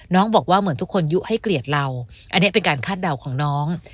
น้องบอกว่าเหมือนทุกคนยุให้เกลียดเราอันนี้เป็นการคาดเดาของน้อง